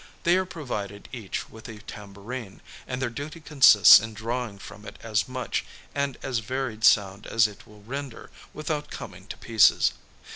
They are provided each with a tambourine, and their duty consists in drawing from it as much, and as varied sound as it will render without coming to pieces.